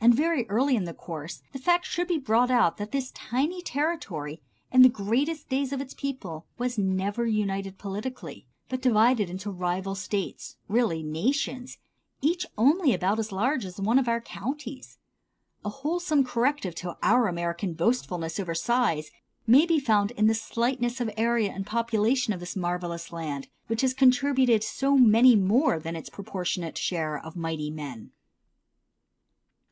And very early in the course the fact should be brought out that this tiny territory, in the greatest days of its people, was never united politically, but divided into rival States, really nations, each only about as large as one of our counties. A wholesome corrective to our American boastfulness over size may be found in the slightness of area and population of this marvellous land, which has contributed so many more than its proportionate share of mighty men.